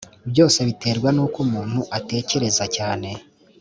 byose biterwa n uko umuntu atekereza cyane